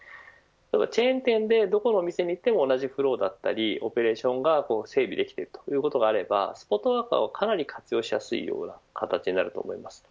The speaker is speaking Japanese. チェーン店でどこの店に行っても同じフローだったりオペレーションが整備できているということがあればスポットワーカーをかなり活用しやすいような形になると思います。